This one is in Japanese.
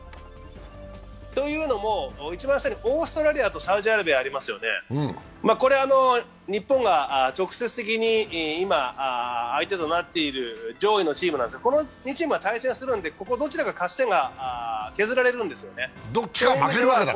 というのも、オーストラリアとサウジアラビアありますよね、これ、日本が直接的に今、相手となっている上位のチームですがこの２チームは対戦するんで、どちらか勝ち点が削られるんですね。